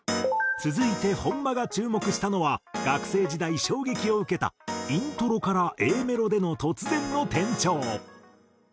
続いて本間が注目したのは学生時代衝撃を受けたイントロからＡメロでの突然の転調。